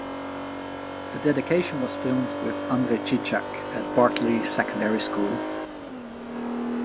The dedication was filmed with Andre Chichak at Bartley Secondary School.